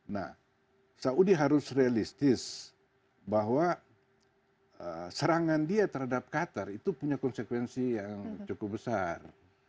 nah saudi harus realistis bahwa serangan dia terhadap qatar itu punya konsekuensi yang cukup besar